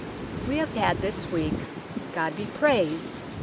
Wee have had this weeke, God be praysed